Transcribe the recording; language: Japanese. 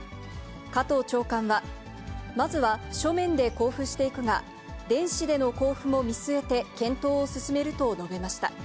加藤長官は、まずは書面で交付していくが、電子での交付も見据えて検討を進めると述べました。